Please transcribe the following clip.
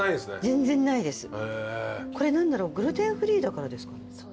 これ何だろうグルテンフリーだからですか？